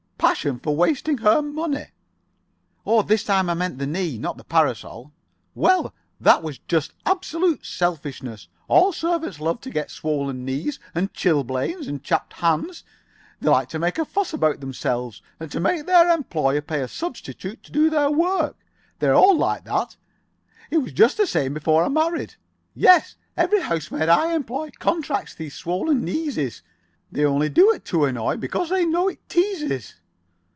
Passion for wasting her money." "Oh, this time I meant the knee—not the parasol." [Pg 50]"Well, that was just absolute selfishness. All servants love to get swollen knees, and chilblains and chapped hands. They like to make a fuss about themselves. And to make their employer pay a substitute to do their work. They're all like that. It was just the same before I married. Yes, every housemaid I employ. Contracts these swollen kneeses. They only do it to annoy. Because they know it teases."